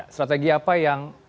strategi apa yang